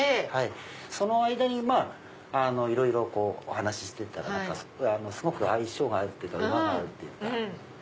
その間にいろいろお話して行ったらすごく相性が合うっていうかうまが合うっていうか。